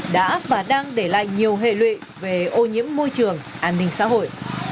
đã và đang để lại nhiều hệ lụy về ô nhiễm môi trường an ninh xã hội